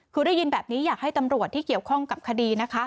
คือได้ยินแบบนี้อยากให้ตำรวจที่เกี่ยวข้องกับคดีนะคะ